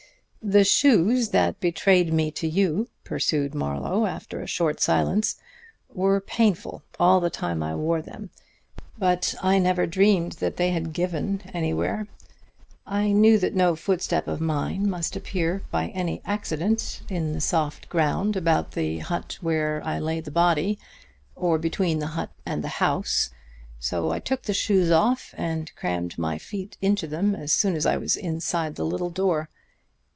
"The shoes that betrayed me to you," pursued Marlowe after a short silence, "were painful all the time I wore them, but I never dreamed that they had given anywhere. I knew that no footstep of mine must appear by any accident in the soft ground about the hut where I laid the body, or between the hut and the house, so I took the shoes off and crammed my feet into them as soon as I was inside the little door.